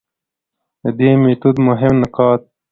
د دې ميتود مهم نقاط: